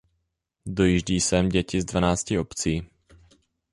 Dojíždí sem děti z dvanácti obcí.